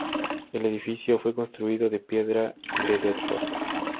El edificio fue construido de piedra de Bedford.